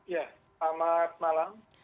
ya selamat malam